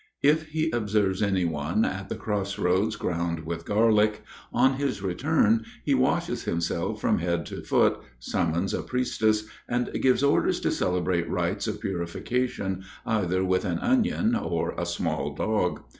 If he observes any one at the cross roads crowned with garlic, on his return he washes himself from head to foot, summons a priestess, and gives orders to celebrate rites of purification either with an onion or a small dog.